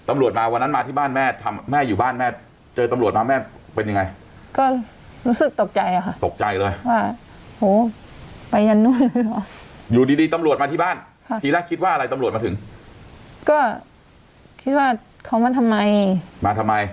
ตำรวจมาวันนั้นมาที่บ้านแม่อยู่บ้านแม่เจอตำรวจมาแม่เป็นยังไง